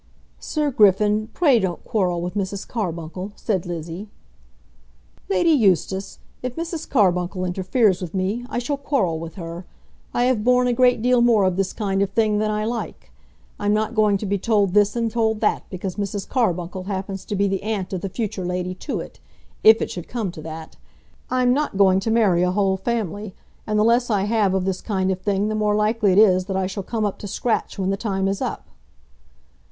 "Sir Griffin, pray don't quarrel with Mrs. Carbuncle," said Lizzie. "Lady Eustace, if Mrs. Carbuncle interferes with me, I shall quarrel with her. I have borne a great deal more of this kind of thing than I like. I'm not going to be told this and told that because Mrs. Carbuncle happens to be the aunt of the future Lady Tewett, if it should come to that. I'm not going to marry a whole family; and the less I have of this kind of thing the more likely it is that I shall come up to scratch when the time is up."